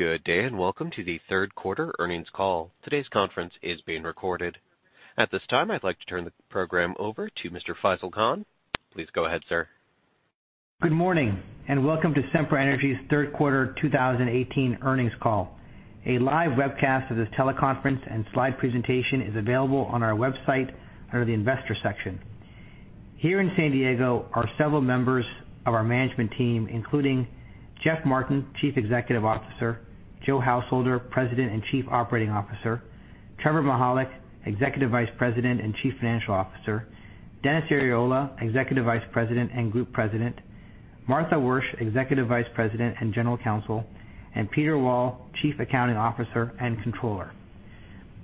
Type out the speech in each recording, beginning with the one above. Good day. Welcome to the third quarter earnings call. Today's conference is being recorded. At this time, I'd like to turn the program over to Mr. Faisel Khan. Please go ahead, sir. Good morning. Welcome to Sempra Energy's third quarter 2018 earnings call. A live webcast of this teleconference and slide presentation is available on our website under the investor section. Here in San Diego are several members of our management team, including Jeff Martin, Chief Executive Officer, Joe Householder, President and Chief Operating Officer, Trevor Mihalik, Executive Vice President and Chief Financial Officer, Dennis Arriola, Executive Vice President and Group President, Martha Wyrsch, Executive Vice President and General Counsel, and Peter Wall, Chief Accounting Officer and Controller.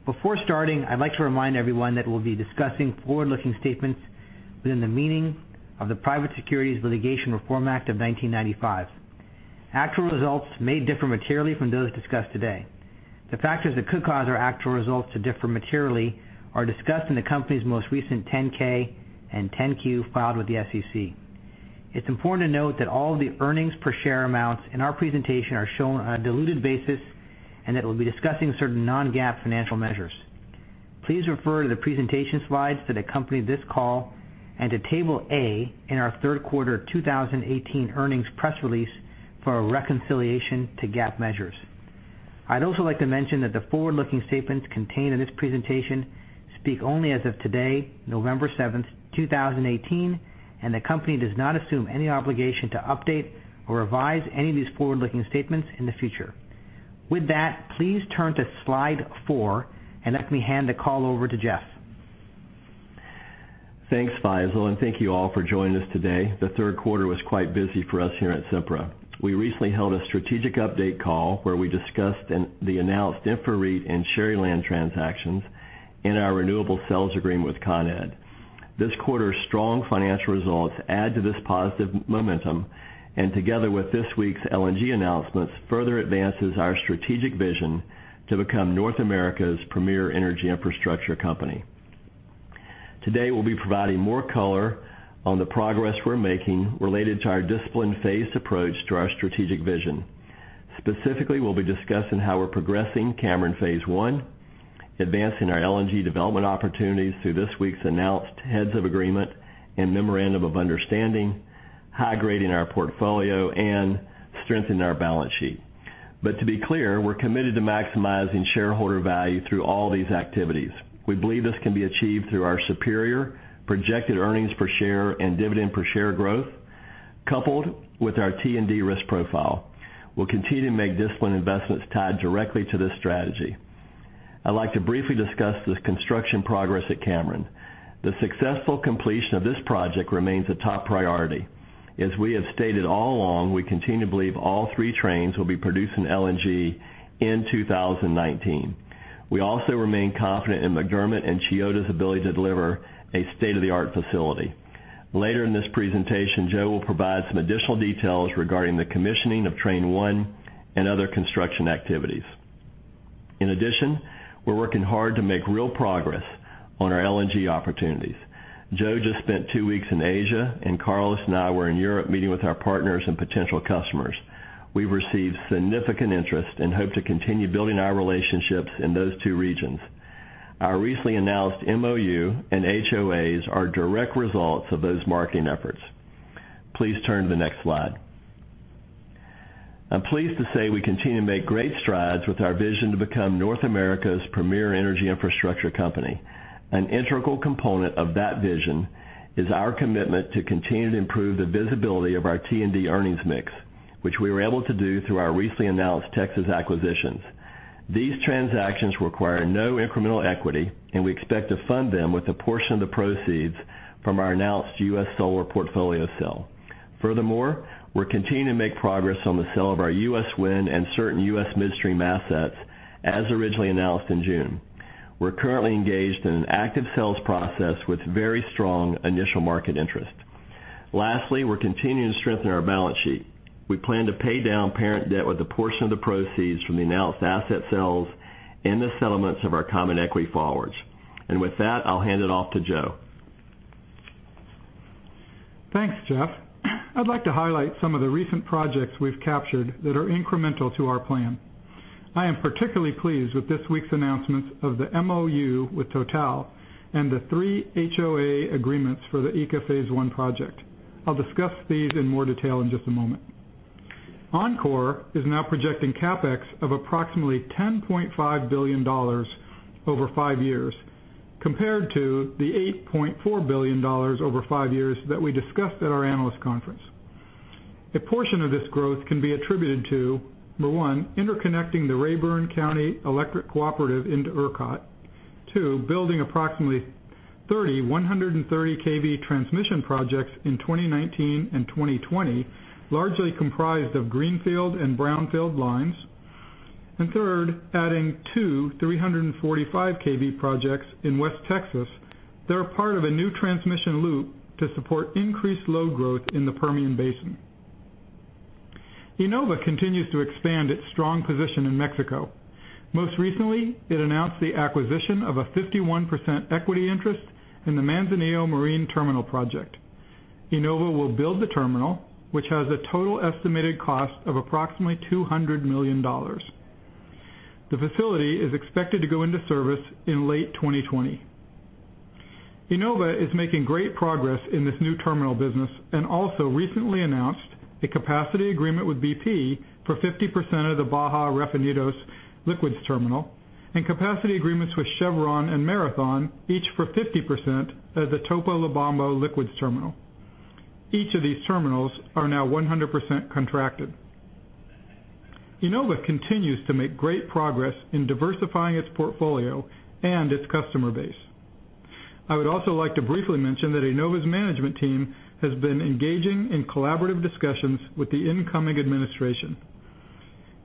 Before starting, I'd like to remind everyone that we'll be discussing forward-looking statements within the meaning of the Private Securities Litigation Reform Act of 1995. Actual results may differ materially from those discussed today. The factors that could cause our actual results to differ materially are discussed in the company's most recent 10-K and 10-Q filed with the SEC. It's important to note that all of the earnings per share amounts in our presentation are shown on a diluted basis. We'll be discussing certain non-GAAP financial measures. Please refer to the presentation slides that accompany this call and to Table A in our third quarter 2018 earnings press release for a reconciliation to GAAP measures. I'd also like to mention that the forward-looking statements contained in this presentation speak only as of today, November seventh, 2018. The company does not assume any obligation to update or revise any of these forward-looking statements in the future. With that, please turn to Slide four. Let me hand the call over to Jeff. Thanks, Faisel. Thank you all for joining us today. The third quarter was quite busy for us here at Sempra. We recently held a strategic update call where we discussed the announced InfraREIT and Sharyland transactions and our renewable sales agreement with Con Ed. This quarter's strong financial results add to this positive momentum. Together with this week's LNG announcements, further advances our strategic vision to become North America's premier energy infrastructure company. Today, we'll be providing more color on the progress we're making related to our disciplined phased approach to our strategic vision. Specifically, we'll be discussing how we're progressing Cameron Phase 1, advancing our LNG development opportunities through this week's announced heads of agreement and memorandum of understanding, high-grading our portfolio, and strengthening our balance sheet. To be clear, we're committed to maximizing shareholder value through all these activities. We believe this can be achieved through our superior projected earnings per share and dividend per share growth, coupled with our T&D risk profile. We'll continue to make disciplined investments tied directly to this strategy. I'd like to briefly discuss the construction progress at Cameron. The successful completion of this project remains a top priority. As we have stated all along, we continue to believe all three trains will be producing LNG in 2019. We also remain confident in McDermott and Chiyoda's ability to deliver a state-of-the-art facility. Later in this presentation, Joe will provide some additional details regarding the commissioning of Train One and other construction activities. In addition, we're working hard to make real progress on our LNG opportunities. Joe just spent two weeks in Asia, and Carlos and I were in Europe meeting with our partners and potential customers. We've received significant interest and hope to continue building our relationships in those two regions. Our recently announced MoU and HOAs are direct results of those marketing efforts. Please turn to the next slide. I'm pleased to say we continue to make great strides with our vision to become North America's premier energy infrastructure company. An integral component of that vision is our commitment to continue to improve the visibility of our T&D earnings mix, which we were able to do through our recently announced Texas acquisitions. These transactions require no incremental equity, and we expect to fund them with a portion of the proceeds from our announced U.S. solar portfolio sale. Furthermore, we're continuing to make progress on the sale of our U.S. wind and certain U.S. midstream assets as originally announced in June. We're currently engaged in an active sales process with very strong initial market interest. Lastly, we're continuing to strengthen our balance sheet. We plan to pay down parent debt with a portion of the proceeds from the announced asset sales and the settlements of our common equity forwards. With that, I'll hand it off to Joe. Thanks, Jeff. I'd like to highlight some of the recent projects we've captured that are incremental to our plan. I am particularly pleased with this week's announcements of the MoU with Total and the three HOA agreements for the ECA Phase One project. I'll discuss these in more detail in just a moment. Oncor is now projecting CapEx of approximately $10.5 billion over five years, compared to the $8.4 billion over five years that we discussed at our analyst conference. A portion of this growth can be attributed to, number one, interconnecting the Rayburn Country Electric Cooperative into ERCOT, two, building approximately 30 130 kV transmission projects in 2019 and 2020, largely comprised of greenfield and brownfield lines, and third, adding two 345 kV projects in West Texas that are part of a new transmission loop to support increased load growth in the Permian Basin. IEnova continues to expand its strong position in Mexico. Most recently, it announced the acquisition of a 51% equity interest in the Manzanillo Marine Terminal project. IEnova will build the terminal, which has a total estimated cost of approximately $200 million. The facility is expected to go into service in late 2020. IEnova is making great progress in this new terminal business and also recently announced a capacity agreement with BP for 50% of the Baja Refinados Liquids Terminal, and capacity agreements with Chevron and Marathon, each for 50% at the Topolobampo Liquids Terminal. Each of these terminals are now 100% contracted. IEnova continues to make great progress in diversifying its portfolio and its customer base. I would also like to briefly mention that IEnova's management team has been engaging in collaborative discussions with the incoming administration.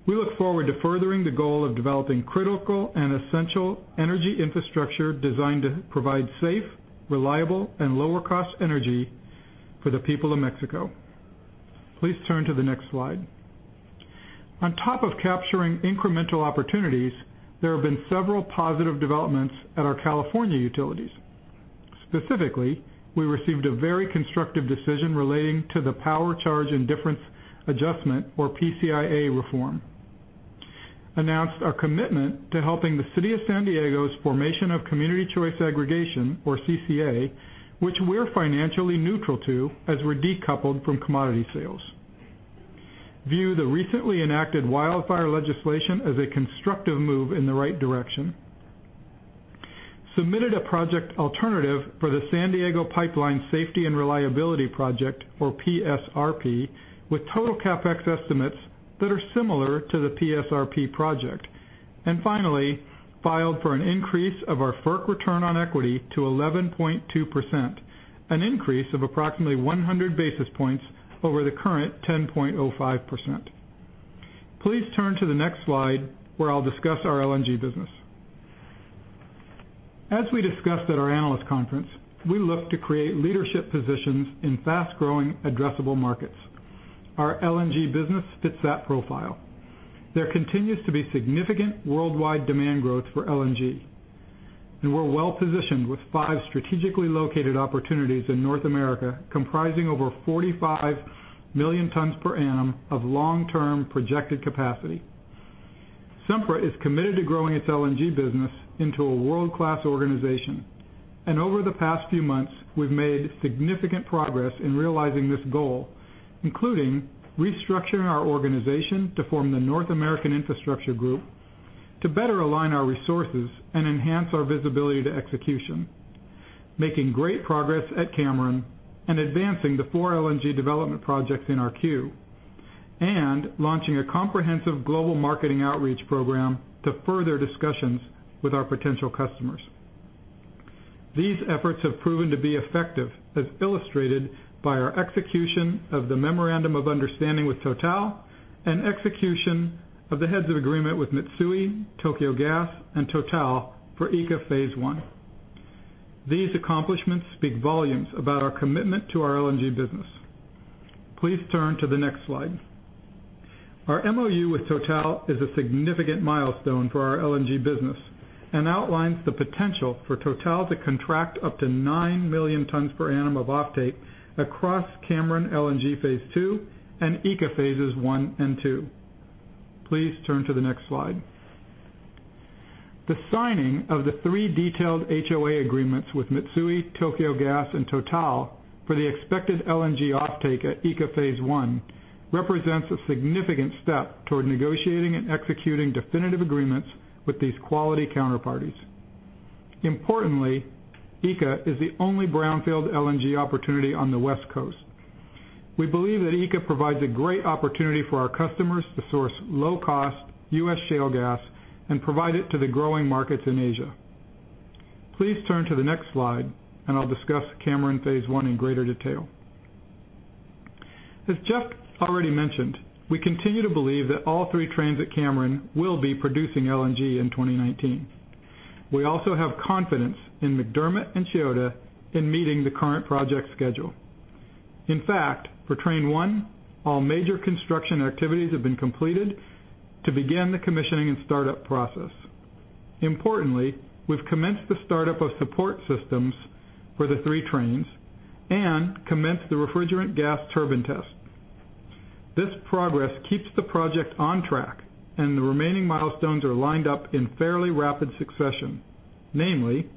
We look forward to furthering the goal of developing critical and essential energy infrastructure designed to provide safe, reliable, and lower-cost energy for the people of Mexico. Please turn to the next slide. On top of capturing incremental opportunities, there have been several positive developments at our California utilities. Specifically, we received a very constructive decision relating to the Power Charge Indifference Adjustment, or PCIA reform. Announced our commitment to helping the City of San Diego's formation of Community Choice Aggregation, or CCA, which we're financially neutral to, as we're decoupled from commodity sales. View the recently enacted wildfire legislation as a constructive move in the right direction. Submitted a project alternative for the San Diego Pipeline Safety and Reliability Project, or PSRP, with total CapEx estimates that are similar to the PSRP project. Finally, filed for an increase of our FERC return on equity to 11.2%, an increase of approximately 100 basis points over the current 10.05%. Please turn to the next slide, where I'll discuss our LNG business. As we discussed at our analyst conference, we look to create leadership positions in fast-growing addressable markets. Our LNG business fits that profile. There continues to be significant worldwide demand growth for LNG. We're well-positioned with five strategically located opportunities in North America, comprising over 45 million tons per annum of long-term projected capacity. Sempra is committed to growing its LNG business into a world-class organization. Over the past few months, we've made significant progress in realizing this goal, including restructuring our organization to form the Sempra North American Infrastructure Group to better align our resources and enhance our visibility to execution. Making great progress at Cameron and advancing the four LNG development projects in our queue. Launching a comprehensive global marketing outreach program to further discussions with our potential customers. These efforts have proven to be effective, as illustrated by our execution of the MoU with Total and execution of the heads of agreement with Mitsui, Tokyo Gas, and Totals for ECA Phase 1. These accomplishments speak volumes about our commitment to our LNG business. Please turn to the next slide. Our MoU with Total is a significant milestone for our LNG business and outlines the potential for Total to contract up to 9 million tons per annum of offtake across Cameron LNG Phase 2 and ECA Phases 1 and 2. Please turn to the next slide. The signing of the three detailed HOA agreements with Mitsui, Tokyo Gas, and TotalEnergies for the expected LNG offtake at ECA Phase 1 represents a significant step toward negotiating and executing definitive agreements with these quality counterparties. Importantly, ECA is the only brownfield LNG opportunity on the West Coast. We believe that ECA provides a great opportunity for our customers to source low-cost U.S. shale gas and provide it to the growing markets in Asia. Please turn to the next slide and I'll discuss Cameron Phase 1 in greater detail. As Jeff already mentioned, we continue to believe that all three trains at Cameron will be producing LNG in 2019. We also have confidence in McDermott and Chiyoda in meeting the current project schedule. In fact, for Train 1, all major construction activities have been completed to begin the commissioning and startup process. Importantly, we've commenced the startup of support systems for the three trains and commenced the refrigerant gas turbine test. This progress keeps the project on track, the remaining milestones are lined up in fairly rapid succession. Namely,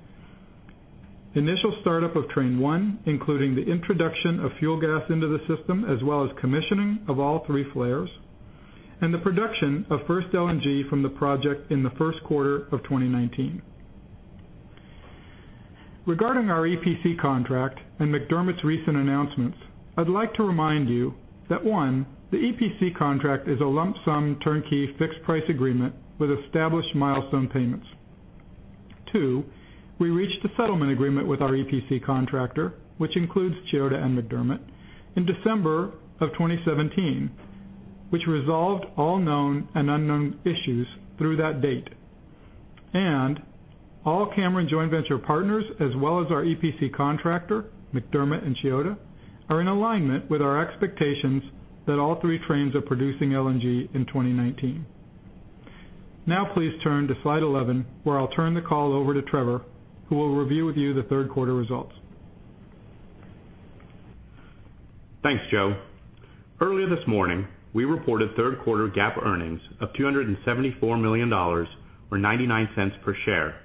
initial startup of Train 1, including the introduction of fuel gas into the system, as well as commissioning of all three flares, and the production of first LNG from the project in the first quarter of 2019. Regarding our EPC contract and McDermott's recent announcements, I'd like to remind you that, one, the EPC contract is a lump sum turnkey fixed price agreement with established milestone payments. Two, we reached a settlement agreement with our EPC contractor, which includes Chiyoda and McDermott, in December of 2017, which resolved all known and unknown issues through that date. All Cameron joint venture partners, as well as our EPC contractor, McDermott and Chiyoda, are in alignment with our expectations that all three trains are producing LNG in 2019. Now please turn to slide 11, where I'll turn the call over to Trevor, who will review with you the third quarter results. Thanks, Joe. Earlier this morning, we reported third-quarter GAAP earnings of $274 million, or $0.99 per share.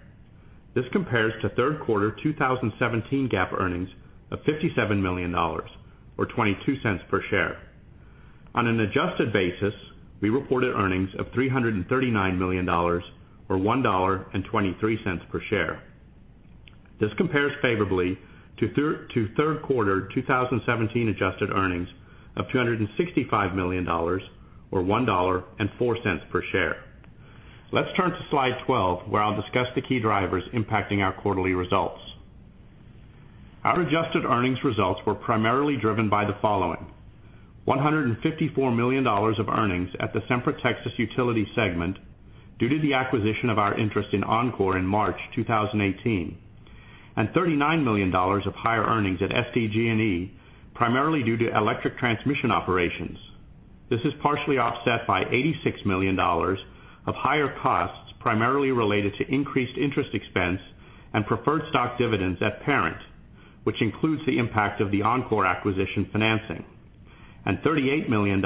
This compares to third quarter 2017 GAAP earnings of $57 million or $0.22 per share. On an adjusted basis, we reported earnings of $339 million, or $1.23 per share. This compares favorably to third quarter 2017 adjusted earnings of $265 million, or $1.04 per share. Let's turn to slide 12, where I'll discuss the key drivers impacting our quarterly results. Our adjusted earnings results were primarily driven by the following. $154 million of earnings at the Sempra Texas Utilities segment due to the acquisition of our interest in Oncor in March 2018, and $39 million of higher earnings at SDG&E, primarily due to electric transmission operations. This is partially offset by $86 million of higher costs, primarily related to increased interest expense and preferred stock dividends at Parent, which includes the impact of the Oncor acquisition financing, and $38 million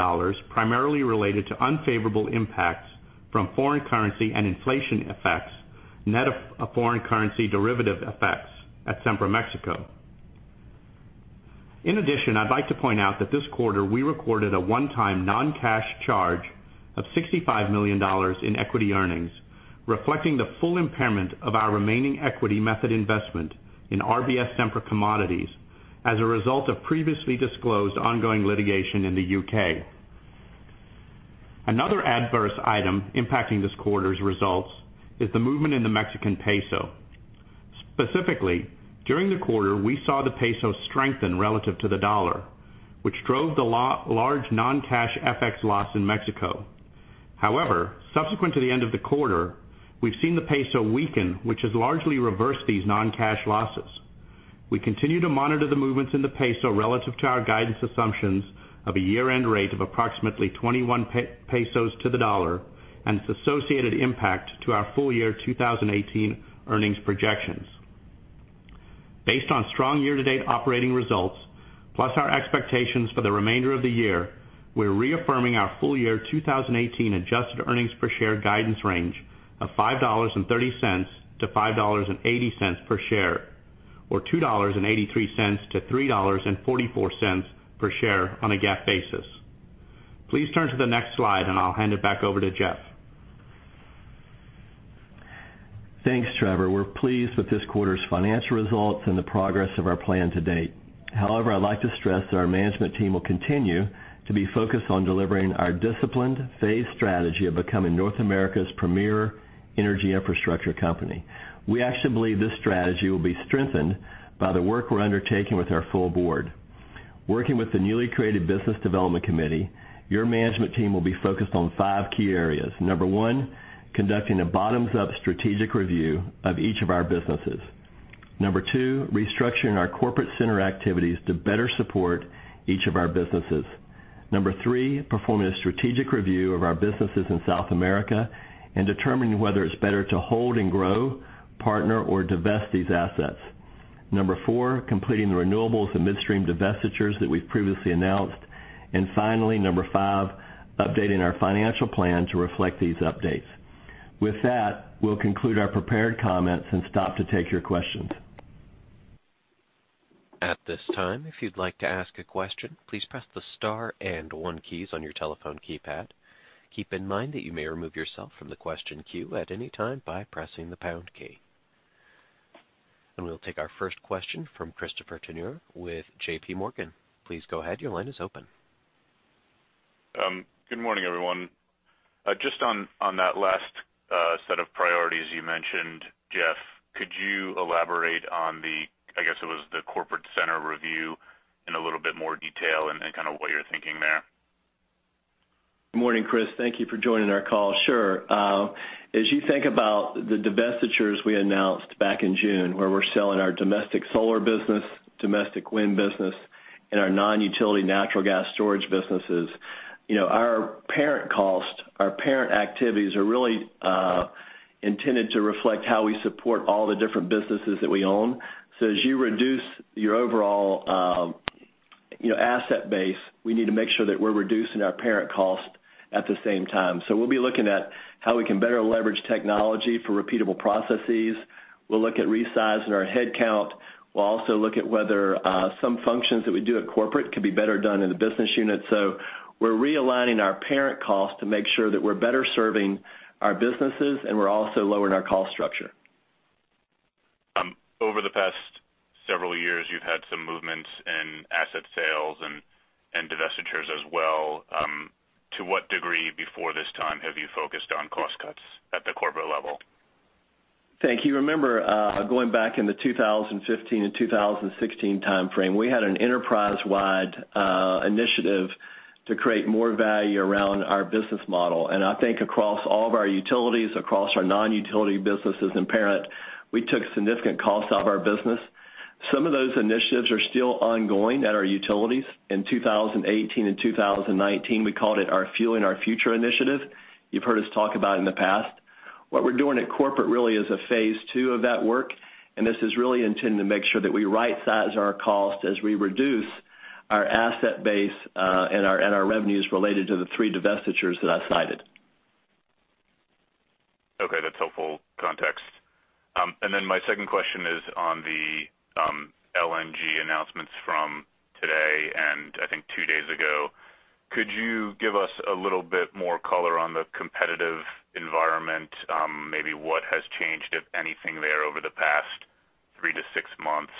primarily related to unfavorable impacts from foreign currency and inflation effects, net of foreign currency derivative effects at Sempra Mexico. In addition, I'd like to point out that this quarter, we recorded a one-time non-cash charge of $65 million in equity earnings, reflecting the full impairment of our remaining equity method investment in RBS Sempra Commodities as a result of previously disclosed ongoing litigation in the U.K. Another adverse item impacting this quarter's results is the movement in the Mexican peso. Specifically, during the quarter, we saw the peso strengthen relative to the dollar, which drove the large non-cash FX loss in Mexico. Subsequent to the end of the quarter, we've seen the peso weaken, which has largely reversed these non-cash losses. We continue to monitor the movements in the peso relative to our guidance assumptions of a year-end rate of approximately 21 pesos to the dollar and its associated impact to our full-year 2018 earnings projections. Based on strong year-to-date operating results, plus our expectations for the remainder of the year, we're reaffirming our full-year 2018 adjusted earnings per share guidance range of $5.30-$5.80 per share, or $2.83-$3.44 per share on a GAAP basis. Please turn to the next slide, and I'll hand it back over to Jeff. Thanks, Trevor. We're pleased with this quarter's financial results and the progress of our plan to date. I'd like to stress that our management team will continue to be focused on delivering our disciplined, phased strategy of becoming North America's premier energy infrastructure company. We actually believe this strategy will be strengthened by the work we're undertaking with our full board. Working with the newly created Business Development Committee, your management team will be focused on five key areas. Number one, conducting a bottoms-up strategic review of each of our businesses. Number two, restructuring our corporate center activities to better support each of our businesses. Number three, performing a strategic review of our businesses in South America and determining whether it's better to hold and grow, partner, or divest these assets. Number four, completing the renewables and midstream divestitures that we've previously announced. Finally, number 5, updating our financial plan to reflect these updates. With that, we'll conclude our prepared comments and stop to take your questions. At this time, if you'd like to ask a question, please press the star and one keys on your telephone keypad. Keep in mind that you may remove yourself from the question queue at any time by pressing the pound key. We'll take our first question from Christopher Turnure with JPMorgan. Please go ahead. Your line is open. Good morning, everyone. Just on that last set of priorities you mentioned, Jeff, could you elaborate on the, I guess it was the corporate center review in a little bit more detail and kind of what you're thinking there? Morning, Chris. Thank you for joining our call. Sure. As you think about the divestitures we announced back in June, where we're selling our domestic solar business, domestic wind business, and our non-utility natural gas storage businesses. Our parent cost, our parent activities are really intended to reflect how we support all the different businesses that we own. As you reduce your overall asset base, we need to make sure that we're reducing our parent cost at the same time. We'll be looking at how we can better leverage technology for repeatable processes. We'll look at resizing our head count. We'll also look at whether some functions that we do at corporate could be better done in the business unit. We're realigning our parent cost to make sure that we're better serving our businesses, and we're also lowering our cost structure. Over the past several years, you've had some movements in asset sales and divestitures as well. To what degree before this time have you focused on cost cuts at the corporate level? Thank you. Remember, going back in the 2015 and 2016 timeframe, we had an enterprise-wide initiative to create more value around our business model. I think across all of our utilities, across our non-utility businesses in Parent, we took significant costs out of our business. Some of those initiatives are still ongoing at our utilities. In 2018 and 2019, we called it our Fueling Our Future initiative. You've heard us talk about it in the past. What we're doing at corporate really is a phase 2 of that work, this is really intended to make sure that we right-size our cost as we reduce our asset base, and our revenues related to the three divestitures that I cited. Okay, that's helpful context. Then my second question is on the LNG announcements from today and I think two days ago. Could you give us a little bit more color on the competitive environment? Maybe what has changed, if anything, there over the past three to six months,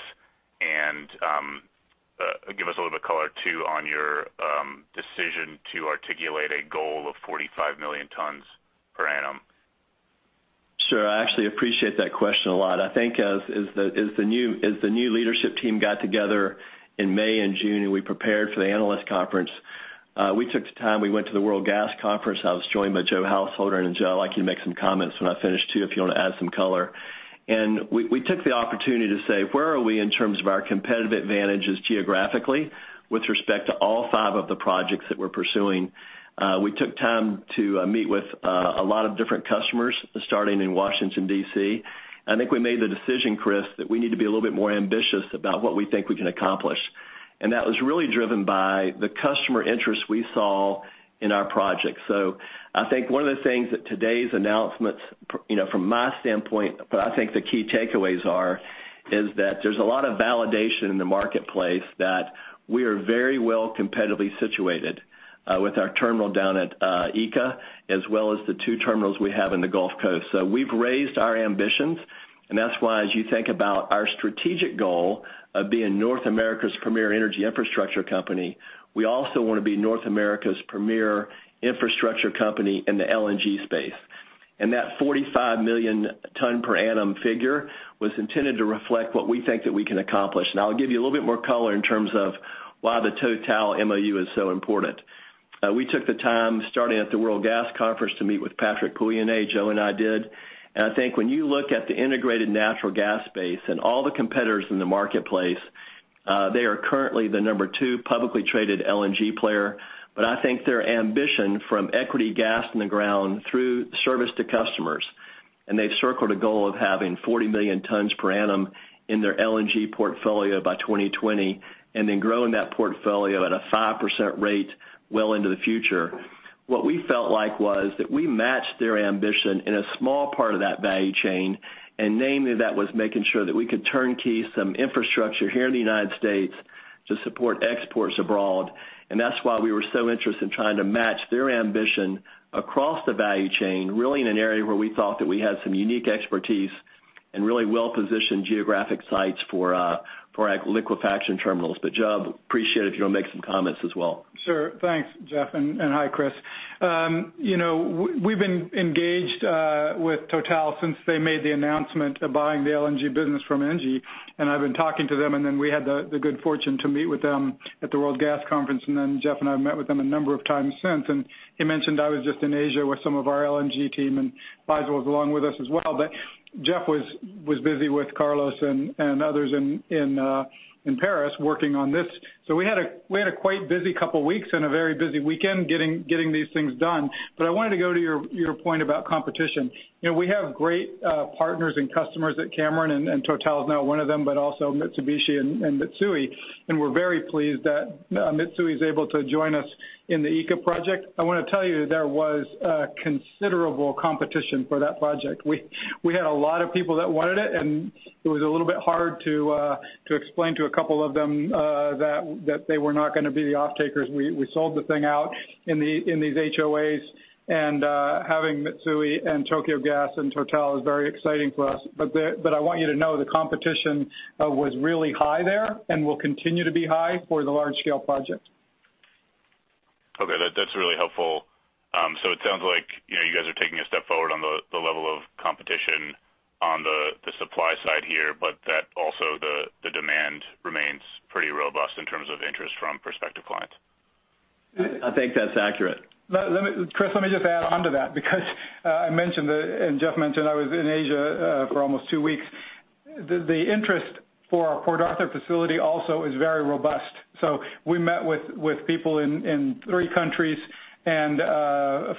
and give us a little bit color, too, on your decision to articulate a goal of 45 million tons per annum. Sure. I actually appreciate that question a lot. I think as the new leadership team got together in May and June, we prepared for the analyst conference, we took the time, we went to the World Gas Conference. I was joined by Joe Householder, Joe, I'd like you to make some comments when I finish, too, if you want to add some color. We took the opportunity to say, "Where are we in terms of our competitive advantages geographically with respect to all five of the projects that we're pursuing?" We took time to meet with a lot of different customers, starting in Washington, D.C. I think we made the decision, Chris, that we need to be a little bit more ambitious about what we think we can accomplish. That was really driven by the customer interest we saw in our project. I think one of the things that today's announcements from my standpoint, I think the key takeaways are, is that there's a lot of validation in the marketplace that we are very well competitively situated, with our terminal down at ECA, as well as the two terminals we have in the Gulf Coast. We've raised our ambitions, and that's why, as you think about our strategic goal of being North America's premier energy infrastructure company, we also want to be North America's premier infrastructure company in the LNG space. That 45 million-ton per annum figure was intended to reflect what we think that we can accomplish. I'll give you a little bit more color in terms of why the Total MOU is so important. We took the time, starting at the World Gas Conference, to meet with Patrick Pouyanné, Joe and I did. I think when you look at the integrated natural gas space and all the competitors in the marketplace, they are currently the number 2 publicly traded LNG player. I think their ambition from equity gas in the ground through service to customers, and they've circled a goal of having 40 million tons per annum in their LNG portfolio by 2020 and then growing that portfolio at a 5% rate well into the future. What we felt like was that we matched their ambition in a small part of that value chain, and namely, that was making sure that we could turnkey some infrastructure here in the U.S. to support exports abroad. That's why we were so interested in trying to match their ambition across the value chain, really in an area where we thought that we had some unique expertise and really well-positioned geographic sites for liquefaction terminals. Joe, I appreciate it if you want to make some comments as well. Sure. Thanks, Jeff, and hi, Chris. We've been engaged with Total since they made the announcement of buying the LNG business from Engie, and I've been talking to them, and then we had the good fortune to meet with them at the World Gas Conference, and then Jeff and I have met with them a number of times since. He mentioned I was just in Asia with some of our LNG team, and Faisal was along with us as well. Jeff was busy with Carlos and others in Paris working on this. We had a quite busy couple weeks and a very busy weekend getting these things done. I wanted to go to your point about competition. We have great partners and customers at Cameron. Total is now one of them, but also Mitsubishi and Mitsui. We're very pleased that Mitsui is able to join us in the ECA project. I want to tell you, there was a considerable competition for that project. We had a lot of people that wanted it, and it was a little bit hard to explain to a couple of them that they were not going to be the off-takers. We sold the thing out in these HOAs. Having Mitsui and Tokyo Gas and Total is very exciting for us. I want you to know the competition was really high there and will continue to be high for the large-scale project. Okay. That's really helpful. It sounds like you guys are taking a step forward on the level of competition on the supply side here, that also the demand remains pretty robust in terms of interest from prospective clients. I think that's accurate. Chris, let me just add onto that because I mentioned, Jeff mentioned, I was in Asia for almost two weeks. The interest for our Port Arthur facility also is very robust. We met with people in three countries and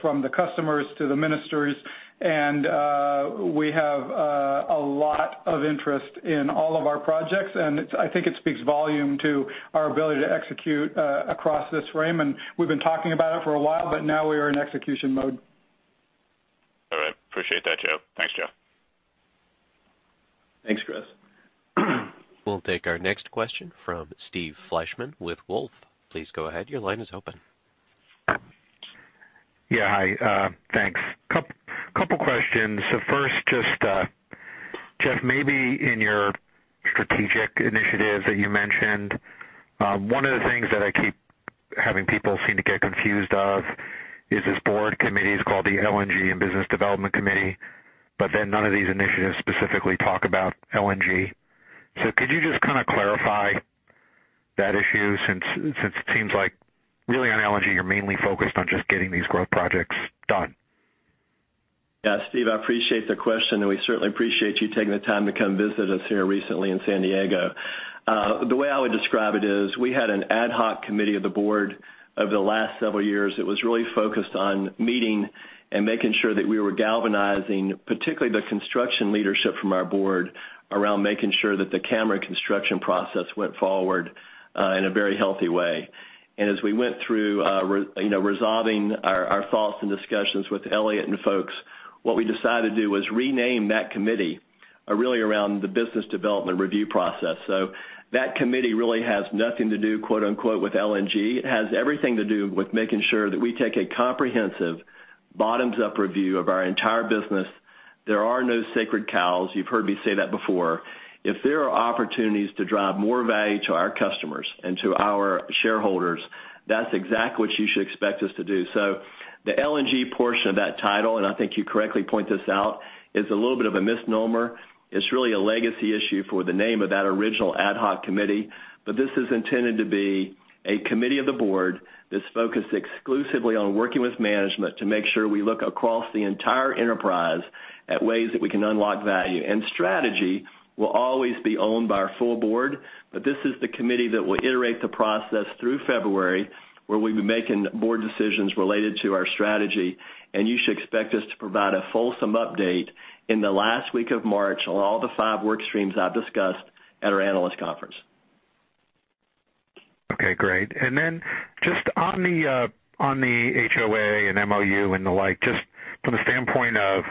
from the customers to the ministers. We have a lot of interest in all of our projects. I think it speaks volume to our ability to execute across this frame. We've been talking about it for a while, now we are in execution mode. All right. Appreciate that, Joe. Thanks, Joe. Thanks, Chris. We'll take our next question from Steve Fleishman with Wolfe. Please go ahead. Your line is open. Yeah. Hi, thanks. Couple questions. First, just, Jeff, maybe in your strategic initiatives that you mentioned, one of the things that I keep having people seem to get confused of is this board committee is called the LNG and Business Development Committee, none of these initiatives specifically talk about LNG. Could you just kind of clar-That issue, since it seems like really on LNG, you're mainly focused on just getting these growth projects done. Yeah, Steve, I appreciate the question, and we certainly appreciate you taking the time to come visit us here recently in San Diego. The way I would describe it is we had an ad hoc committee of the board over the last several years that was really focused on meeting and making sure that we were galvanizing, particularly the construction leadership from our board, around making sure that the Cameron construction process went forward in a very healthy way. As we went through resolving our thoughts and discussions with Elliott and folks, what we decided to do was rename that committee really around the business development review process. That committee really has nothing to do, quote unquote, with LNG. It has everything to do with making sure that we take a comprehensive bottoms-up review of our entire business. There are no sacred cows. You've heard me say that before. If there are opportunities to drive more value to our customers and to our shareholders, that's exactly what you should expect us to do. The LNG portion of that title, and I think you correctly point this out, is a little bit of a misnomer. It's really a legacy issue for the name of that original ad hoc committee. This is intended to be a committee of the board that's focused exclusively on working with management to make sure we look across the entire enterprise at ways that we can unlock value. Strategy will always be owned by our full board, this is the committee that will iterate the process through February, where we'll be making more decisions related to our strategy, and you should expect us to provide a fulsome update in the last week of March on all the five work streams I've discussed at our analyst conference. Okay, great. Then just on the HOA and MoU and the like, just from the standpoint of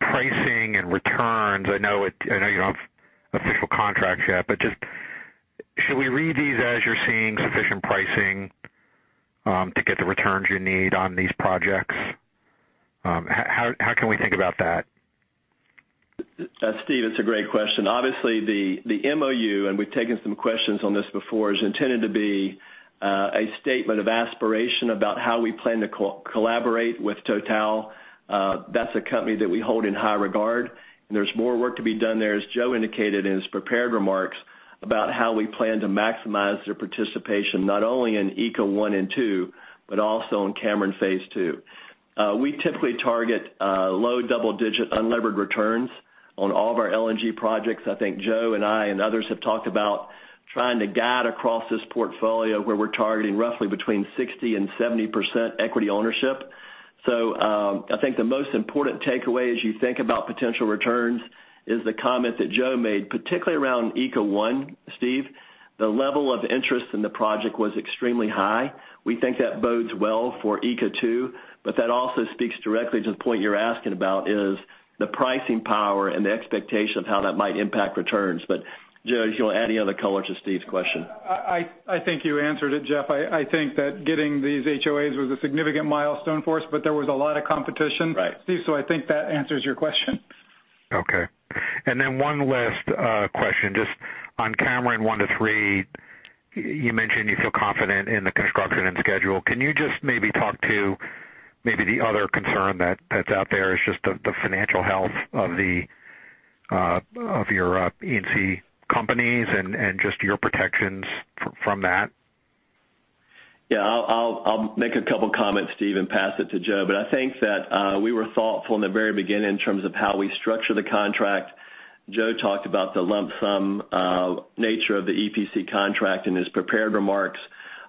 pricing and returns, I know you don't have official contracts yet, just should we read these as you're seeing sufficient pricing to get the returns you need on these projects? How can we think about that? Steve, it's a great question. Obviously, the MoU, and we've taken some questions on this before, is intended to be a statement of aspiration about how we plan to collaborate with Total. That's a company that we hold in high regard, and there's more work to be done there, as Joe indicated in his prepared remarks, about how we plan to maximize their participation not only in ECA 1 and 2, but also in Cameron Phase 2. We typically target low double-digit unlevered returns on all of our LNG projects. I think Joe and I and others have talked about trying to guide across this portfolio where we're targeting roughly between 60% and 70% equity ownership. I think the most important takeaway as you think about potential returns is the comment that Joe made, particularly around ECA 1, Steve. The level of interest in the project was extremely high. We think that bodes well for ECA 2, that also speaks directly to the point you're asking about, is the pricing power and the expectation of how that might impact returns. Joe, if you'll add any other color to Steve's question. I think you answered it, Jeff. I think that getting these HOAs was a significant milestone for us, there was a lot of competition. Right Steve, I think that answers your question. Okay. One last question, just on Cameron one to three, you mentioned you feel confident in the construction and schedule. Can you just maybe talk to the other concern that's out there is just the financial health of your E&C companies and just your protections from that? Yeah, I'll make a couple comments, Steve, and pass it to Joe. I think that we were thoughtful in the very beginning in terms of how we structure the contract. Joe talked about the lump sum nature of the EPC contract in his prepared remarks.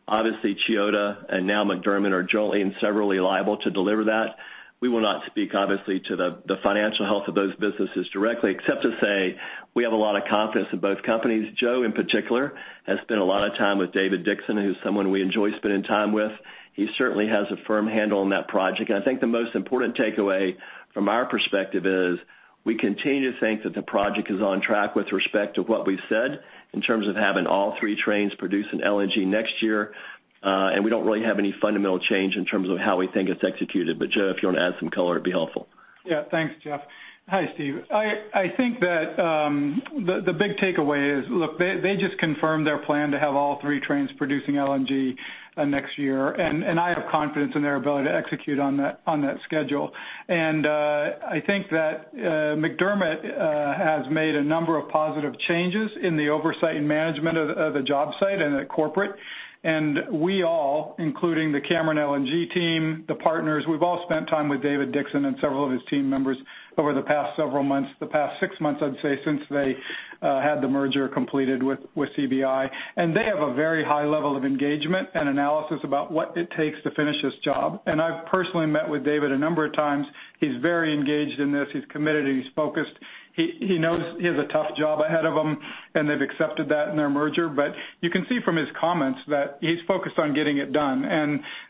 Obviously, Chiyoda and now McDermott are jointly and severally liable to deliver that. We will not speak, obviously, to the financial health of those businesses directly, except to say we have a lot of confidence in both companies. Joe, in particular, has spent a lot of time with David Dixon, who's someone we enjoy spending time with. He certainly has a firm handle on that project. I think the most important takeaway from our perspective is we continue to think that the project is on track with respect to what we've said in terms of having all three trains producing LNG next year. We don't really have any fundamental change in terms of how we think it's executed. Joe, if you want to add some color, it'd be helpful. Yeah. Thanks, Jeff. Hi, Steve. I think that the big takeaway is, look, they just confirmed their plan to have all three trains producing LNG next year, and I have confidence in their ability to execute on that schedule. I think that McDermott has made a number of positive changes in the oversight and management of the job site and at corporate. We all, including the Cameron LNG team, the partners, we've all spent time with David Dixon and several of his team members over the past several months, the past six months, I'd say, since they had the merger completed with CBI. They have a very high level of engagement and analysis about what it takes to finish this job. I've personally met with David a number of times. He's very engaged in this. He's committed and he's focused. He knows he has a tough job ahead of him, they've accepted that in their merger. You can see from his comments that he's focused on getting it done.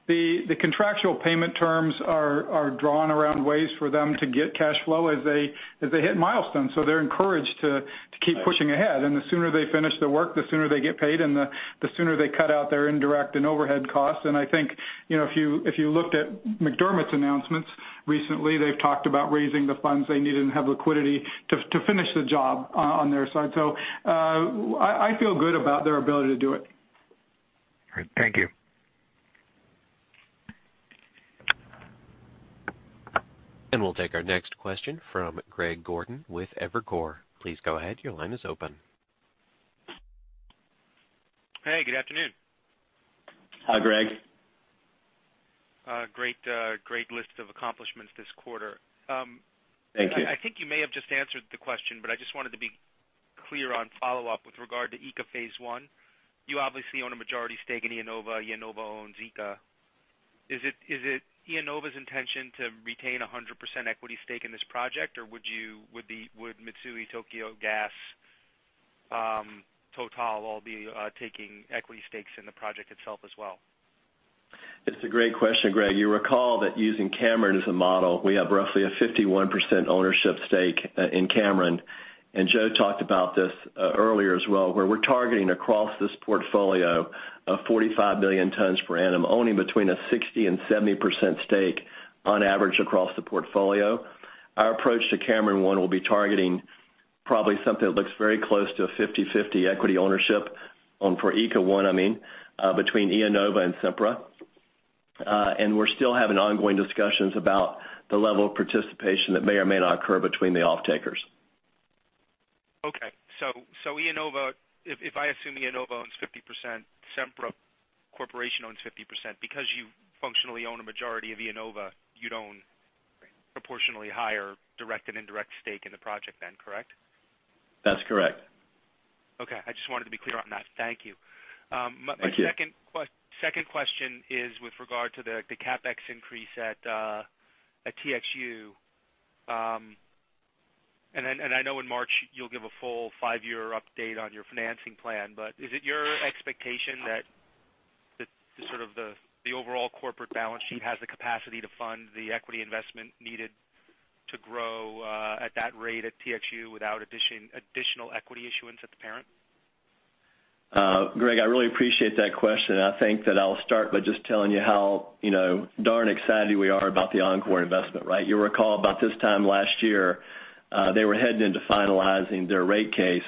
The contractual payment terms are drawn around ways for them to get cash flow as they hit milestones. They're encouraged to keep pushing ahead. The sooner they finish the work, the sooner they get paid, and the sooner they cut out their indirect and overhead costs. I think, if you looked at McDermott's announcements recently, they've talked about raising the funds they need and have liquidity to finish the job on their side. I feel good about their ability to do it. Great. Thank you. We'll take our next question from Greg Gordon with Evercore. Please go ahead. Your line is open. Hey, good afternoon. Hi, Greg. Great list of accomplishments this quarter. Thank you. I think you may have just answered the question, but I just wanted to be clear on follow-up with regard to ECA Phase 1. You obviously own a majority stake in IEnova. IEnova owns ECA. Is it IEnova's intention to retain 100% equity stake in this project or would Mitsui, Tokyo Gas, Total all be taking equity stakes in the project itself as well? It's a great question, Greg. You recall that using Cameron as a model, we have roughly a 51% ownership stake in Cameron. Joe talked about this earlier as well, where we're targeting across this portfolio of 45 million tons per annum, owning between a 60% and 70% stake on average across the portfolio. Our approach to Cameron One will be targeting probably something that looks very close to a 50/50 equity ownership, for ECA One, I mean, between IEnova and Sempra. We're still having ongoing discussions about the level of participation that may or may not occur between the off-takers. Okay. If I assume IEnova owns 50%, Sempra owns 50%, because you functionally own a majority of IEnova, you'd own proportionally higher direct and indirect stake in the project then, correct? That's correct. Okay. I just wanted to be clear on that. Thank you. Thank you. My second question is with regard to the CapEx increase at TXU. I know in March you'll give a full 5-year update on your financing plan. Is it your expectation that the overall corporate balance sheet has the capacity to fund the equity investment needed to grow, at that rate at TXU without additional equity issuance at the parent? Greg, I really appreciate that question. I think that I'll start by just telling you how darn excited we are about the Oncor investment, right? You recall about this time last year, they were heading into finalizing their rate case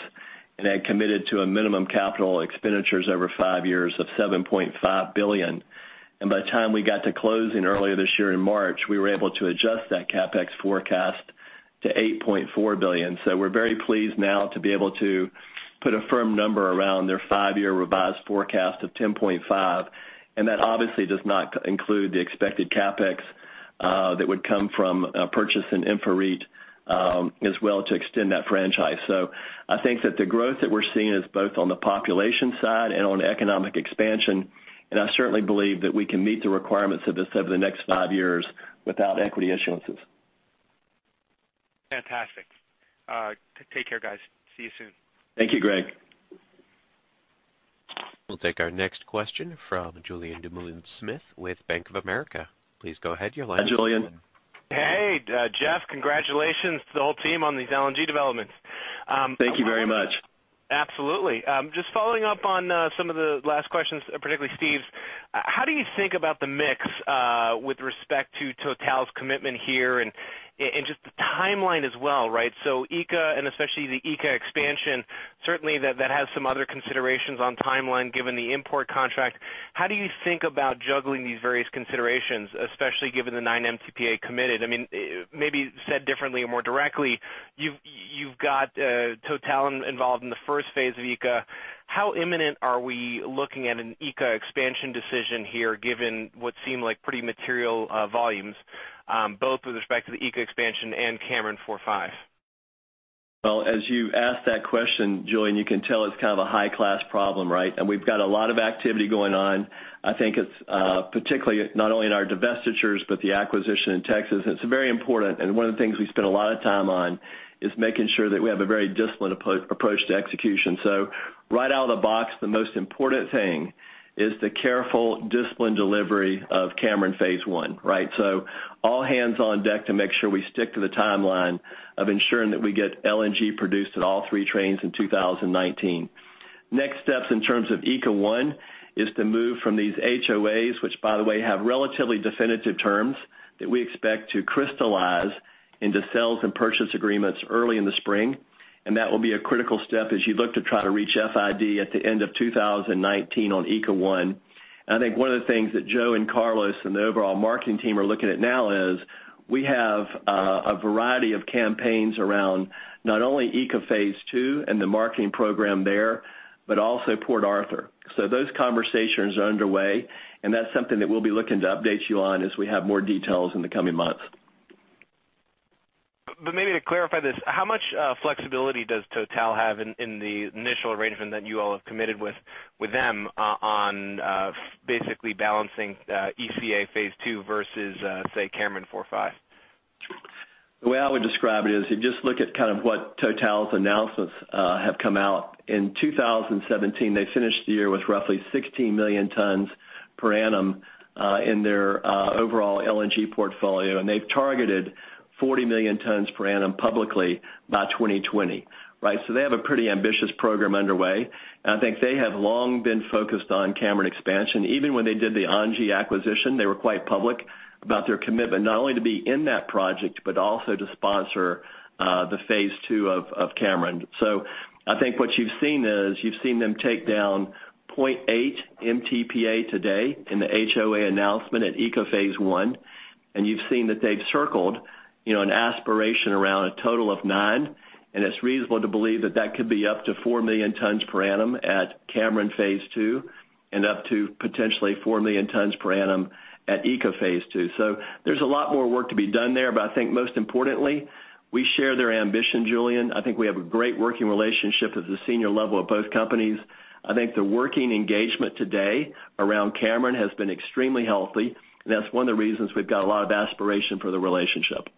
and had committed to a minimum capital expenditures over 5 years of $7.5 billion. By the time we got to closing earlier this year in March, we were able to adjust that CapEx forecast to $8.4 billion. We're very pleased now to be able to put a firm number around their 5-year revised forecast of $10.5 billion, and that obviously does not include the expected CapEx that would come from a purchase in InfraREIT, as well to extend that franchise. I think that the growth that we're seeing is both on the population side and on economic expansion, and I certainly believe that we can meet the requirements of this over the next 5 years without equity issuances. Fantastic. Take care, guys. See you soon. Thank you, Greg. We'll take our next question from Julien Dumoulin-Smith with Bank of America. Please go ahead. Your line- Hi, Julien. Hey. Jeff, congratulations to the whole team on these LNG developments. Thank you very much. Absolutely. Just following up on some of the last questions, particularly Steve's. How do you think about the mix, with respect to TotalEnergies' commitment here and just the timeline as well, right? ECA and especially the ECA expansion, certainly that has some other considerations on timeline given the import contract. How do you think about juggling these various considerations, especially given the nine MTPA committed? Maybe said differently or more directly, you've got TotalEnergies involved in the first phase of ECA. How imminent are we looking at an ECA expansion decision here, given what seem like pretty material volumes, both with respect to the ECA expansion and Cameron Four, Five? Well, as you ask that question, Julien, you can tell it's kind of a high-class problem, right? We've got a lot of activity going on. I think it's particularly not only in our divestitures, but the acquisition in Texas. It's very important, and one of the things we spend a lot of time on is making sure that we have a very disciplined approach to execution. Right out of the box, the most important thing is the careful, disciplined delivery of Cameron Phase One, right? All hands on deck to make sure we stick to the timeline of ensuring that we get LNG produced at all three trains in 2019. Next steps in terms of ECA One is to move from these HOAs, which by the way, have relatively definitive terms that we expect to crystallize into sales and purchase agreements early in the spring. That will be a critical step as you look to try to reach FID at the end of 2019 on ECA One. I think one of the things Joe and Carlos and the overall marketing team are looking at now is we have a variety of campaigns around not only ECA Phase 2 and the marketing program there, but also Port Arthur. Those conversations are underway, and that's something that we'll be looking to update you on as we have more details in the coming months. Maybe to clarify this, how much flexibility does Total have in the initial arrangement that you all have committed with them on basically balancing ECA Phase 2 versus, say, Cameron 4, 5? The way I would describe it is if you just look at kind of what Total's announcements have come out. In 2017, they finished the year with roughly 16 million tons per annum in their overall LNG portfolio, and they've targeted 40 million tons per annum publicly by 2020. They have a pretty ambitious program underway, and I think they have long been focused on Cameron expansion. Even when they did the ENGIE acquisition, they were quite public about their commitment not only to be in that project, but also to sponsor the Phase 2 of Cameron. I think what you've seen is you've seen them take down 0.8 MTPA today in the HOA announcement at ECA Phase 1. You've seen that they've circled an aspiration around a total of nine, and it's reasonable to believe that that could be up to four million tons per annum at Cameron Phase 2, and up to potentially four million tons per annum at ECA Phase 2. There's a lot more work to be done there. I think most importantly, we share their ambition, Julien. I think we have a great working relationship at the senior level of both companies. I think the working engagement today around Cameron has been extremely healthy, and that's one of the reasons we've got a lot of aspiration for the relationship.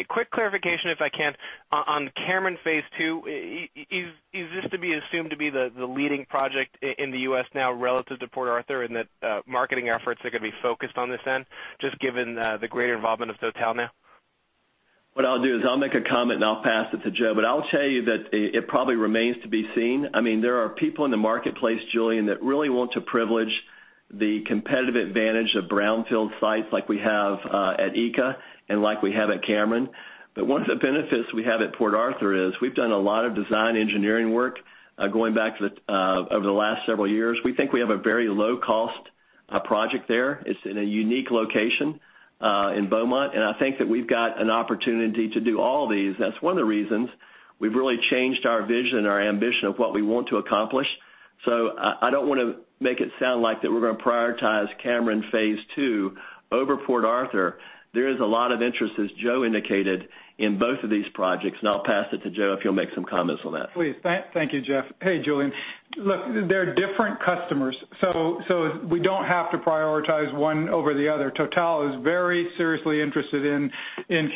A quick clarification, if I can. On Cameron Phase 2, is this to be assumed to be the leading project in the U.S. now relative to Port Arthur in that marketing efforts are going to be focused on this then, just given the greater involvement of Total now? I'll make a comment, and I'll pass it to Joe. I'll tell you that it probably remains to be seen. There are people in the marketplace, Julien, that really want to privilege the competitive advantage of brownfield sites like we have at ECA and like we have at Cameron. One of the benefits we have at Port Arthur is we've done a lot of design engineering work going back over the last several years. We think we have a very low-cost project there. It's in a unique location in Beaumont, and I think that we've got an opportunity to do all of these. That's one of the reasons we've really changed our vision and our ambition of what we want to accomplish. I don't want to make it sound like that we're going to prioritize Cameron Phase 2 over Port Arthur. There is a lot of interest, as Joe indicated, in both of these projects. I'll pass it to Joe if he'll make some comments on that. Please. Thank you, Jeff. Hey, Julien. Look, they're different customers. We don't have to prioritize one over the other. Total is very seriously interested in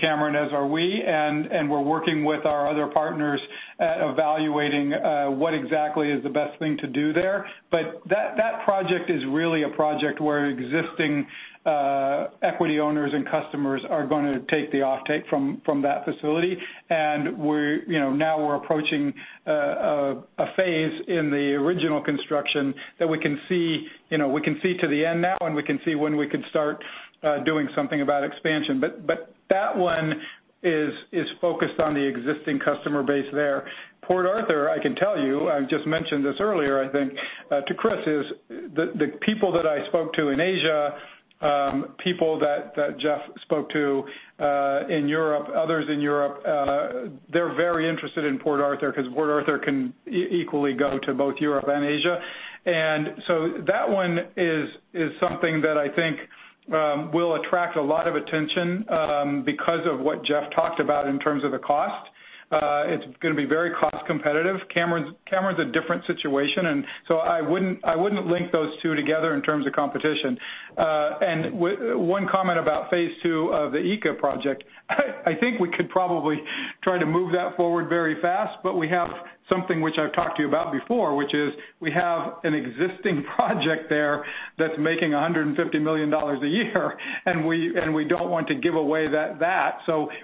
Cameron, as are we. We're working with our other partners at evaluating what exactly is the best thing to do there. That project is really a project where existing equity owners and customers are going to take the offtake from that facility. Now we're approaching a phase in the original construction that we can see to the end now, and we can see when we can start doing something about expansion. That one is focused on the existing customer base there. Port Arthur, I can tell you, I just mentioned this earlier, I think, to Chris, is the people that I spoke to in Asia, people that Jeff spoke to in Europe, others in Europe, they're very interested in Port Arthur because Port Arthur can equally go to both Europe and Asia. That one is something that I think will attract a lot of attention because of what Jeff talked about in terms of the cost. It's going to be very cost competitive. Cameron's a different situation. I wouldn't link those two together in terms of competition. One comment about phase II of the ECA project. I think we could probably try to move that forward very fast. We have something which I've talked to you about before, which is we have an existing project there that's making $150 million a year and we don't want to give away that.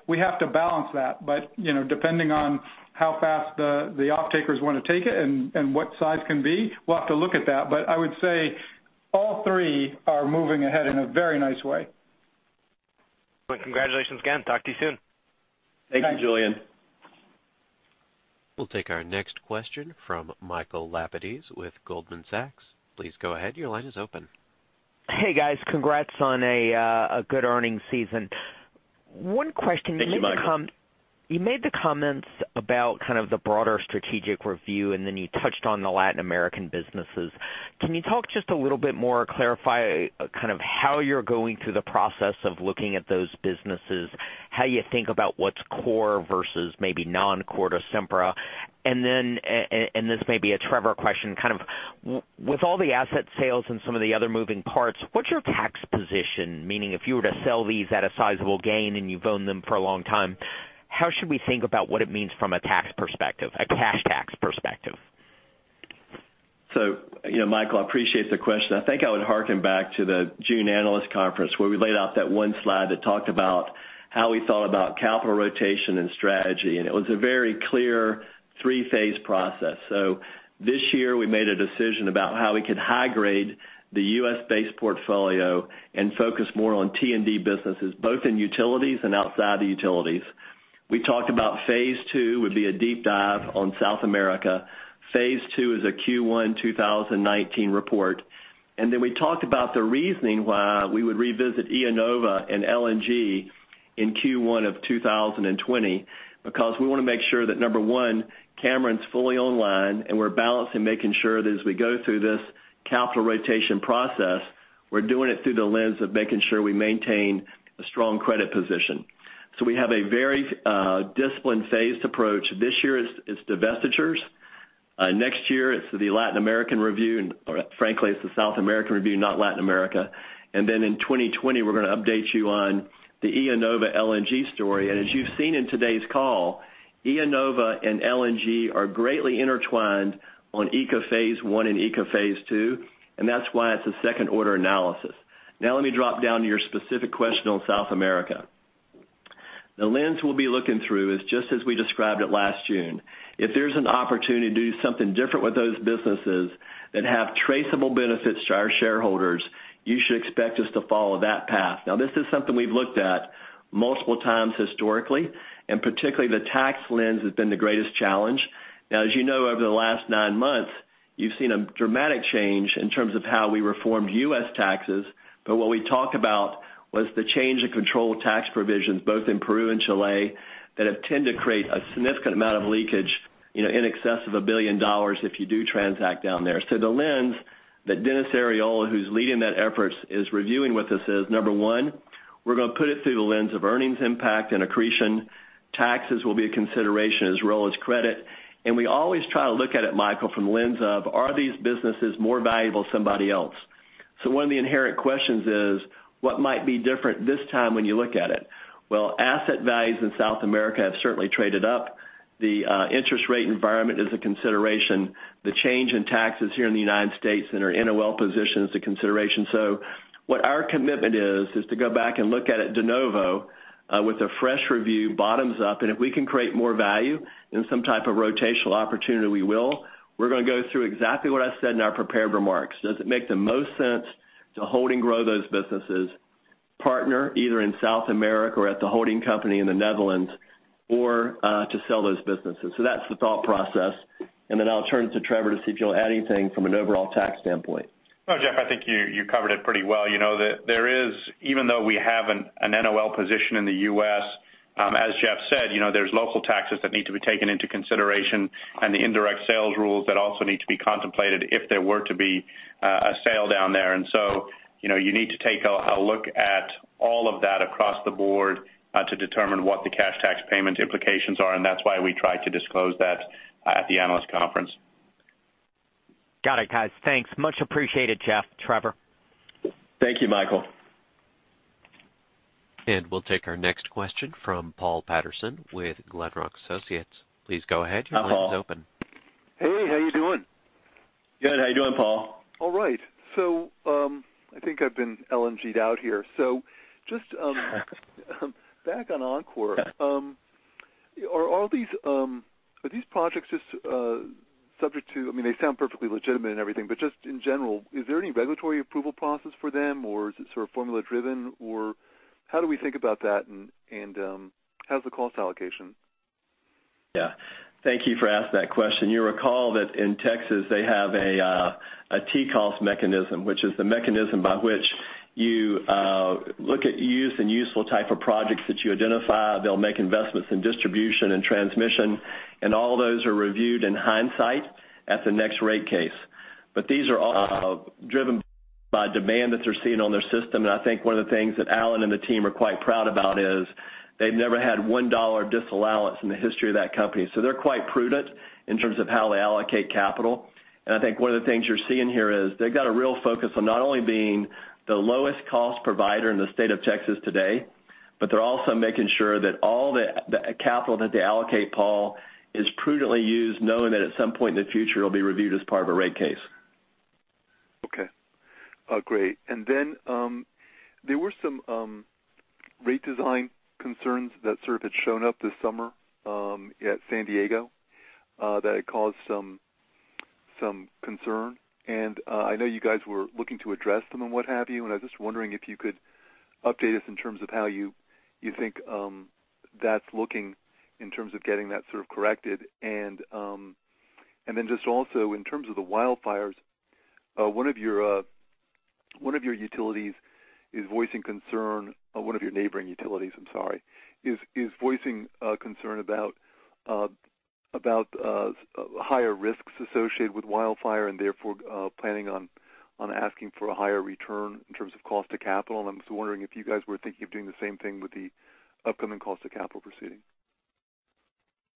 We have to balance that. Depending on how fast the off-takers want to take it and what size can be, we'll have to look at that. I would say all three are moving ahead in a very nice way. Congratulations again. Talk to you soon. Thank you, Julien. We'll take our next question from Michael Lapides with Goldman Sachs. Please go ahead. Your line is open. Hey, guys. Congrats on a good earnings season. One question- Thank you, Michael you made the comments about kind of the broader strategic review, then you touched on the Latin American businesses. Can you talk just a little bit more or clarify kind of how you're going through the process of looking at those businesses, how you think about what's core versus maybe non-core to Sempra? Then, and this may be a Trevor question, kind of with all the asset sales and some of the other moving parts, what's your tax position? Meaning if you were to sell these at a sizable gain and you've owned them for a long time, how should we think about what it means from a tax perspective, a cash tax perspective? Michael, I appreciate the question. I think I would harken back to the June analyst conference where we laid out that one slide that talked about how we thought about capital rotation and strategy, and it was a very clear three-phase process. This year we made a decision about how we could high grade the U.S.-based portfolio and focus more on T&D businesses, both in utilities and outside the utilities. We talked about phase 2 would be a deep dive on South America. Phase 2 is a Q1 2019 report. We talked about the reasoning why we would revisit IEnova and LNG in Q1 of 2020 because we want to make sure that, number 1, Cameron's fully online, and we're balancing making sure that as we go through this capital rotation process, we're doing it through the lens of making sure we maintain a strong credit position. We have a very disciplined, phased approach. This year it's divestitures. Next year it's the Latin American review. Frankly, it's the South American review, not Latin America. In 2020, we're going to update you on the IEnova LNG story. As you've seen in today's call, IEnova and LNG are greatly intertwined on ECA phase 1 and ECA phase 2, and that's why it's a second-order analysis. Let me drop down to your specific question on South America. The lens we'll be looking through is just as we described it last June. If there's an opportunity to do something different with those businesses that have traceable benefits to our shareholders, you should expect us to follow that path. This is something we've looked at multiple times historically, and particularly the tax lens has been the greatest challenge. As you know, over the last nine months, you've seen a dramatic change in terms of how we reformed U.S. taxes, but what we talk about was the change in control tax provisions, both in Peru and Chile, that have tended to create a significant amount of leakage in excess of $1 billion if you do transact down there. The lens that Dennis Arriola, who's leading that effort, is reviewing with us is, number 1, we're going to put it through the lens of earnings impact and accretion. Taxes will be a consideration as well as credit. We always try to look at it, Michael, from the lens of, are these businesses more valuable to somebody else? One of the inherent questions is, what might be different this time when you look at it? Well, asset values in South America have certainly traded up. The interest rate environment is a consideration. The change in taxes here in the United States and our NOL position is a consideration. What our commitment is is to go back and look at it de novo with a fresh review, bottoms-up, and if we can create more value in some type of rotational opportunity, we will. We're going to go through exactly what I said in our prepared remarks. Does it make the most sense to hold and grow those businesses, partner either in South America or at the holding company in the Netherlands, or to sell those businesses? That's the thought process. I'll turn to Trevor to see if you'll add anything from an overall tax standpoint. No, Jeff, I think you covered it pretty well. Even though we have an NOL position in the U.S., as Jeff said, there's local taxes that need to be taken into consideration and the indirect sales rules that also need to be contemplated if there were to be a sale down there. You need to take a look at all of that across the board to determine what the cash tax payment implications are, and that's why we try to disclose that at the analyst conference. Got it, guys. Thanks. Much appreciated, Jeff, Trevor. Thank you, Michael. We'll take our next question from Paul Patterson with Glenrock Associates. Please go ahead. Your line is open. Hi, Paul. Hey, how you doing? Good. How you doing, Paul? All right. I think I've been LNG'd out here. Just back on Oncor. Are these projects just subject to—they sound perfectly legitimate and everything, but just in general, is there any regulatory approval process for them, or is it sort of formula-driven, or how do we think about that and how's the cost allocation? Yeah. Thank you for asking that question. You recall that in Texas, they have a T-cost mechanism, which is the mechanism by which you look at use and useful type of projects that you identify. They'll make investments in distribution and transmission, and all those are reviewed in hindsight at the next rate case. These are all driven by demand that they're seeing on their system. I think one of the things Alan and the team are quite proud about is they've never had $1 disallowance in the history of that company. They're quite prudent in terms of how they allocate capital. I think one of the things you're seeing here is they've got a real focus on not only being the lowest cost provider in the state of Texas today, but they're also making sure that all the capital that they allocate, Paul, is prudently used, knowing that at some point in the future, it'll be reviewed as part of a rate case. Okay. Great. There were some rate design concerns that had shown up this summer at San Diego that had caused some concern. I know you guys were looking to address them and what have you, and I was just wondering if you could update us in terms of how you think that's looking in terms of getting that sort of corrected. Just also in terms of the wildfires, one of your neighboring utilities is voicing concern about higher risks associated with wildfire and therefore planning on asking for a higher return in terms of cost to capital. I'm just wondering if you guys were thinking of doing the same thing with the upcoming cost to capital proceeding.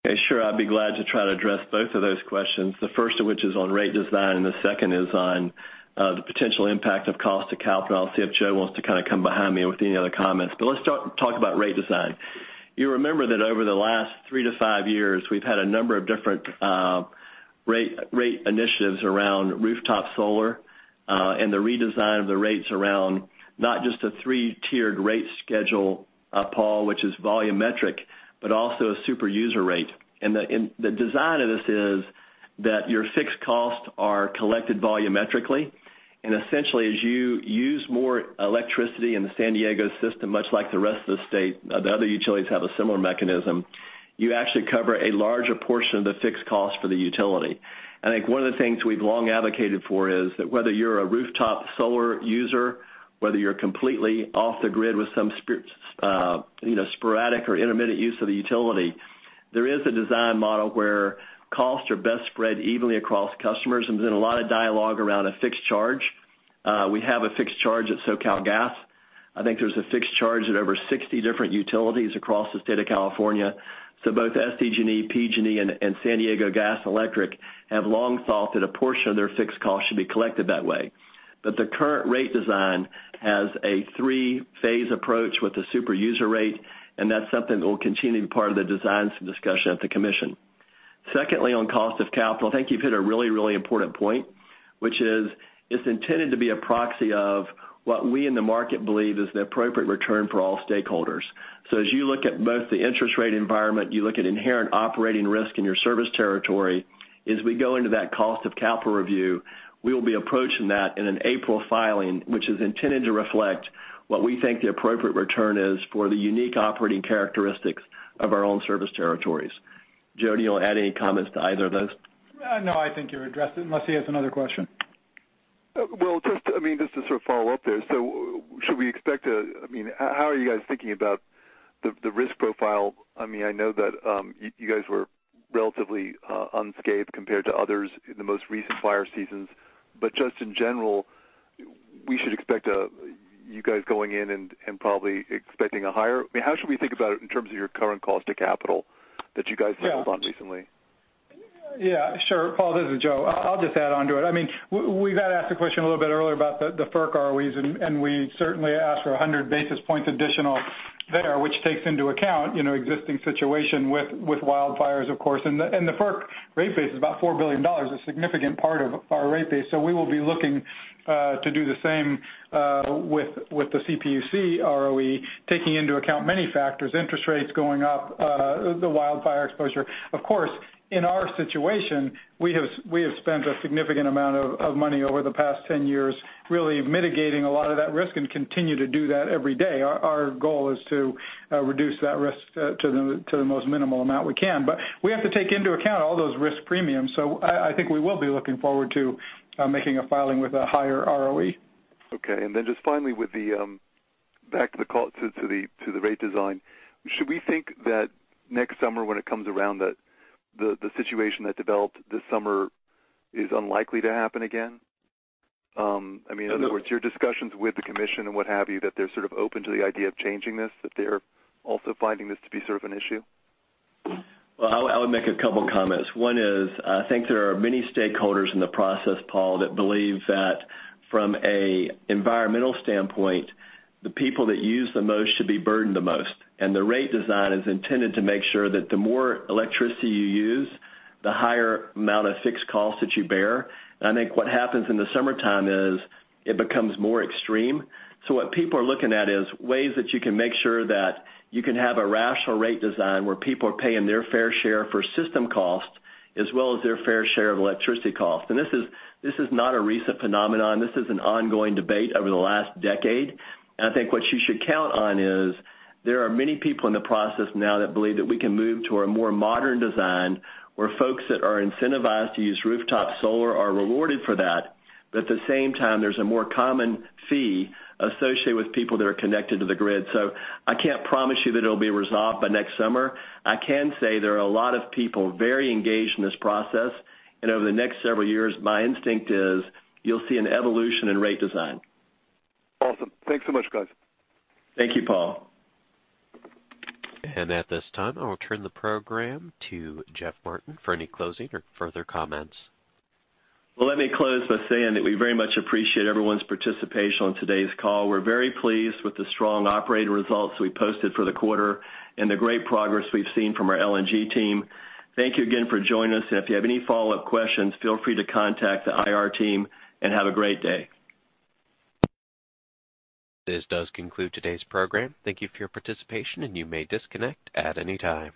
Okay, sure. I'd be glad to try to address both of those questions. The first of which is on rate design, the second is on the potential impact of cost to capital. I'll see if Joe wants to kind of come behind me with any other comments. Let's talk about rate design. You remember that over the last 3 to 5 years, we've had a number of different rate initiatives around rooftop solar, and the redesign of the rates around not just a 3-tiered rate schedule, Paul, which is volumetric, but also a super user rate. The design of this is that your fixed costs are collected volumetrically. Essentially, as you use more electricity in the San Diego system, much like the rest of the state, the other utilities have a similar mechanism. You actually cover a larger portion of the fixed cost for the utility. I think one of the things we've long advocated for is that whether you're a rooftop solar user, whether you're completely off the grid with some sporadic or intermittent use of the utility, there is a design model where costs are best spread evenly across customers, and there's been a lot of dialogue around a fixed charge. We have a fixed charge at SoCalGas. I think there's a fixed charge at over 60 different utilities across the state of California. Both SDG&E, PG&E, and San Diego Gas & Electric have long thought that a portion of their fixed cost should be collected that way. The current rate design has a 3-phase approach with a super user rate, and that's something that will continue to be part of the design discussion at the commission. Secondly, on cost of capital, I think you've hit a really important point, which is it's intended to be a proxy of what we in the market believe is the appropriate return for all stakeholders. As you look at both the interest rate environment, you look at inherent operating risk in your service territory, as we go into that cost of capital review, we will be approaching that in an April filing, which is intended to reflect what we think the appropriate return is for the unique operating characteristics of our own service territories. Joe, do you want to add any comments to either of those? No, I think you addressed it, unless he has another question. Well, just to sort of follow up there, how are you guys thinking about the risk profile? I know that you guys were relatively unscathed compared to others in the most recent fire seasons. Just in general, we should expect you guys going in and probably expecting how should we think about it in terms of your current cost to capital that you guys have taken on recently? Yeah, sure, Paul, this is Joe. I'll just add onto it. We got asked the question a little bit earlier about the FERC ROEs. We certainly asked for 100 basis points additional there, which takes into account existing situation with wildfires, of course. The FERC rate base is about $4 billion, a significant part of our rate base. We will be looking to do the same with the CPUC ROE, taking into account many factors, interest rates going up, the wildfire exposure. Of course, in our situation, we have spent a significant amount of money over the past 10 years, really mitigating a lot of that risk, and continue to do that every day. Our goal is to reduce that risk to the most minimal amount we can. We have to take into account all those risk premiums, I think we will be looking forward to making a filing with a higher ROE. Okay, just finally, back to the rate design. Should we think that next summer, when it comes around, that the situation that developed this summer is unlikely to happen again? In other words, your discussions with the commission and what have you, that they're sort of open to the idea of changing this, that they're also finding this to be sort of an issue? Well, I would make a couple comments. One is, I think there are many stakeholders in the process, Paul, that believe that from an environmental standpoint, the people that use the most should be burdened the most. The rate design is intended to make sure that the more electricity you use, the higher amount of fixed costs that you bear. I think what happens in the summertime is it becomes more extreme. What people are looking at is ways that you can make sure that you can have a rational rate design where people are paying their fair share for system cost, as well as their fair share of electricity cost. This is not a recent phenomenon. This is an ongoing debate over the last decade. I think what you should count on is there are many people in the process now that believe that we can move to a more modern design where folks that are incentivized to use rooftop solar are rewarded for that. At the same time, there's a more common fee associated with people that are connected to the grid. I can't promise you that it'll be resolved by next summer. I can say there are a lot of people very engaged in this process, and over the next several years, my instinct is you'll see an evolution in rate design. Awesome. Thanks so much, guys. Thank you, Paul. At this time, I will turn the program to Jeff Martin for any closing or further comments. Well, let me close by saying that we very much appreciate everyone's participation on today's call. We're very pleased with the strong operating results we posted for the quarter and the great progress we've seen from our LNG team. Thank you again for joining us, and if you have any follow-up questions, feel free to contact the IR team and have a great day. This does conclude today's program. Thank you for your participation, and you may disconnect at any time.